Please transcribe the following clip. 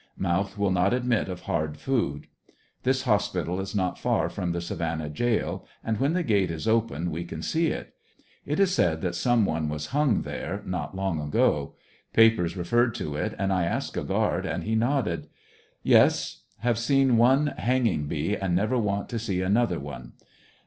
Mouth will not admit of hard food. This hospital is not far from the Savannah jail, and when the gate is open we can see it It is said that some one was hung there not long ago. Papers referred to it and I asked a guard and he nodded ''Yes." Have seen one "hanging bee," and never want to see an other one.